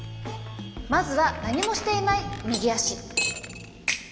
まずは何もしていない右足。